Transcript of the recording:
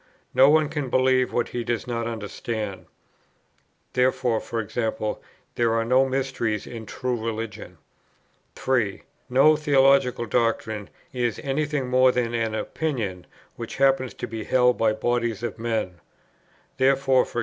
No one can believe what he does not understand. Therefore, e.g. there are no mysteries in true religion. 3. No theological doctrine is any thing more than an opinion which happens to be held by bodies of men. Therefore, e.